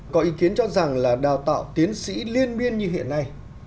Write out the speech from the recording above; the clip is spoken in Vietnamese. có ý kiến cho rằng là đào tạo tiến sĩ liên miên như hiện nay